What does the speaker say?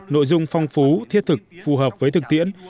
nội dung phong phú thiết thực phù hợp với thực tiễn